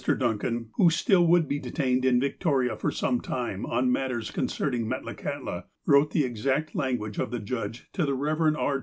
Duncan, who still would be detained in Victoria for some time, on matters concerning Metlakahtla, wrote the exact language of the judge to the Eev. R.